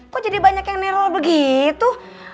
kok jadi banyak yang neroboh gitu